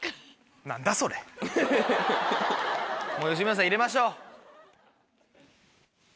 もう吉村さん入れましょう。